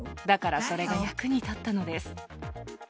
だからそれが役に立ったのです。